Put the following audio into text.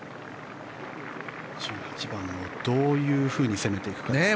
１８番を、どういうふうに攻めていくかですね。